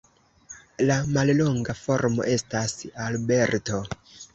La mallonga formo estas Alberto.